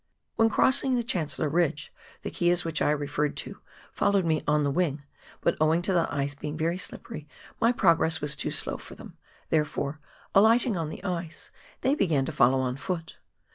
When crossing the Chancellor Ridge, the keas which I referred to followed me on the wing, but owing to the ice being very slippery my progress was too slow for them ; therefore, alighting on the ice, they began to follow on foot.